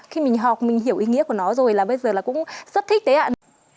khi mình học mình hiểu ý nghĩa của nó rồi là bây giờ là cũng rất thích đấy ạ